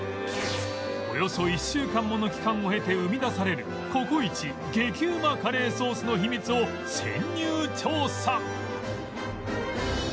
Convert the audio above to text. およそ１週間もの期間を経て生み出されるココイチ激うまカレーソースの秘密を潜入調査！